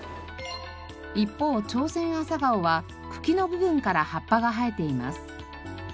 一方チョウセンアサガオは茎の部分から葉っぱが生えています。